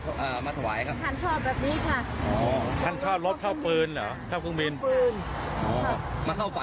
ทางบริเวณทำรถฝีสนค่ะครับทำไมถึงเอาเอารถมาเอ่อ